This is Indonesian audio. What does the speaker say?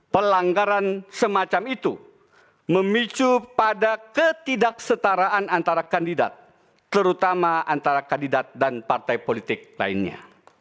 pelanggaran semacam itu memicu pada ketidaksetaraan antara kandidat terutama antara kandidat dan partai politik lainnya